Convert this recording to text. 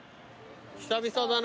久々だな。